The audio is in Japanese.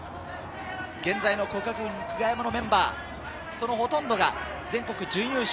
現在の國學院久我山のメンバー、そのほとんどが全国準優勝。